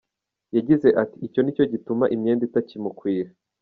Yagize ati, “Icyo nicyo gituma imyenda itakimukwira”.